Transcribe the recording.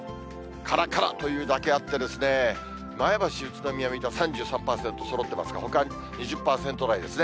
からからというだけあって、前橋、宇都宮、水戸は３３％、そろってますが、ほか２０％台ですね。